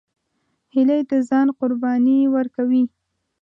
هیلۍ د ځان قرباني ورکوي